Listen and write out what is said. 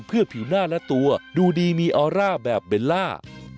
เพื่อผิวหน้าและตัวดูดีมีออร่าแบบเบลล่า